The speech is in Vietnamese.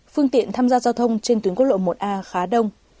phương tiện tham gia giao thông trên tuyến quốc lộ một a khá đông